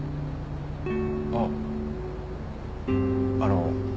あっあの。